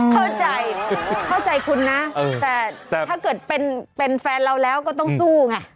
เข้าใจเข้าใจคุณนะแต่ถ้าเกิดเป็นแฟนเราแล้วก็ต้องสู้ไง